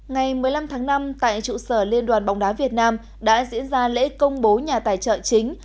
ngày một mươi năm tháng năm tại trụ sở liên đoàn bóng đá việt nam đã diễn ra lễ công bố nhà tài trợ chính